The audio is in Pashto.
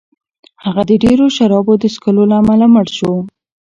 هغه د ډېرو شرابو د څښلو له امله مړ شو.